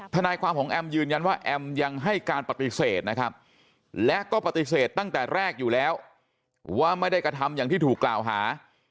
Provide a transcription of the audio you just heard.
ทนายความของแอมยืนยันว่าแอมยังให้การปฏิเสธนะครับและก็ปฏิเสธตั้งแต่แรกอยู่แล้วว่าไม่ได้กระทำอย่างที่ถูกกล่าวหา